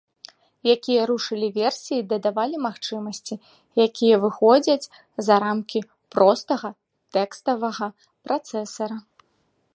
Якія рушылі версіі дадавалі магчымасці, якія выходзяць за рамкі простага тэкставага працэсара.